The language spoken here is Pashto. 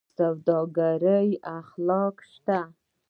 د سوداګرۍ اخلاق شته؟